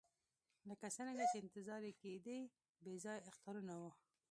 لکه څرنګه چې انتظار یې کېدی بې ځایه اخطارونه وو.